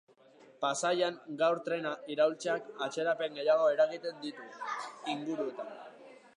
Pasaian gaur trena iraultzeak atzerapen gehiago eragiten ditu Inguruetan